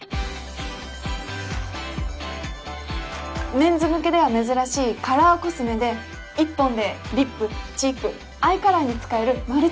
メンズ向けでは珍しいカラーコスメで１本でリップチークアイカラーに使えるマルチユースの。